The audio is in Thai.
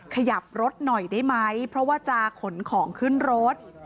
ขยับรถหน่อยได้ไหมเพราะว่าจะขนของขึ้นรถ